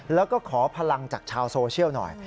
แล้วก็ขอพลังจากชาวโซเชียลหน่อย